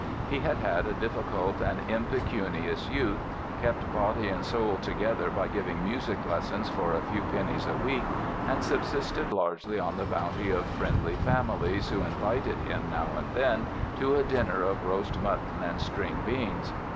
He had had a difficult and impecunious youth, kept body and soul together by giving music lessons for a few pennies a week and subsisted largely on the bounty of friendly families who invited him, now and then, to a dinner of roast mutton and string beans.